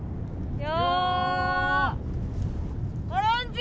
・よ！